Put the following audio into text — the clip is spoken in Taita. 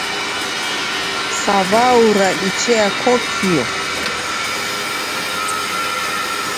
Saw'au radichia kokio